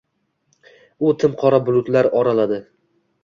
U timqora bulutlar oraladi.